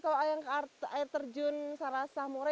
baru pertama kali kalau air terjun sarasota